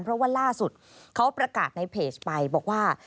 เพราะว่าล่าสุดเขาประกาศในเพจไปบอกว่า